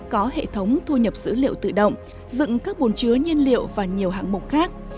có hệ thống thu nhập dữ liệu tự động dựng các bồn chứa nhiên liệu và nhiều hạng mục khác